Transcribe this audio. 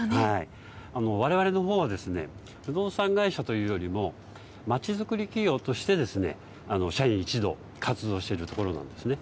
われわれは不動産会社というよりもまちづくり企業として社員一同活動しているところです。